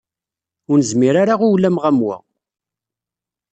Ur nezmir ara i ulameɣ am wa.